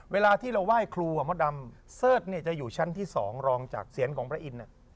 เวลาที่เราไหว้ครูมดดำเสิร์ธจะอยู่ชั้นที่๒รองจากเสียงของพระอินทร์